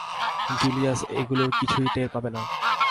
Julius এগুলোর কিছুই টের পাবে না।